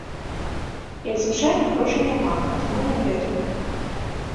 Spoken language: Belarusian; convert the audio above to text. Як звычайна, грошай няма, таму не ведаю.